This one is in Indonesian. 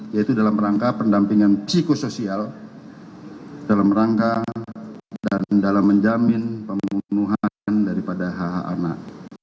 yaitu dalam rangka pendampingan psikosoial dalam rangka dan dalam menjamin pembunuhan daripada hh anak